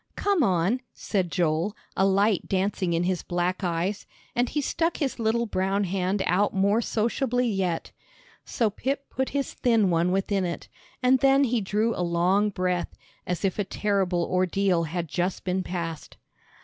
"Come on," said Joel, a light dancing in his black eyes, and he stuck his little brown hand out more sociably yet. So Pip put his thin one within it, and then he drew a long breath, as if a terrible ordeal had just been passed.